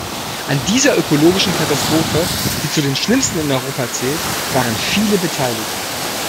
An dieser ökologischen Katastrophe, die zu den schlimmsten in Europa zählt, waren viele beteiligt.